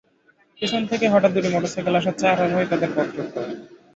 পেছন থেকে হঠাৎ দুটি মোটরসাইকেলে আসা চার আরোহী তাঁদের পথরোধ করে।